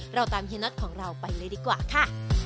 เราตามเฮียน็อตของเราไปเลยดีกว่าค่ะ